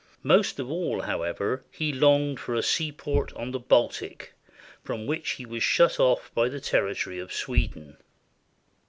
Most of all, however, he longed for a seaport on the Baltic from which he was shut off by the territory of Sweden.